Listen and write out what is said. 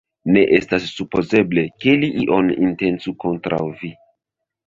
Ne estas supozeble, ke li ion intencu kontraŭ vi!